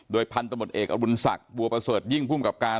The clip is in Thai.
โดยพันธมตเอกอบุญศักดิ์บัวประสดยิ่งพุ่มกับการ